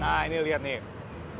nah ini lihat nih